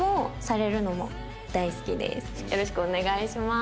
よろしくお願いします。